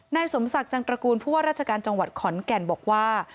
นายสมศักดิ์จังตระกูลผู้ว่าราชการจังหวัดขอนแก่นบอกว่า